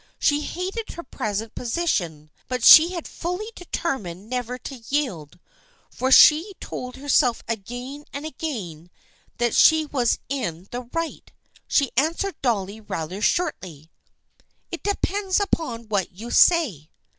She hated her present position, but she had fully determined never to yield, for she told herself again and again that she was in the right. She answered Dolly rather shortly. " It depends upon what you say."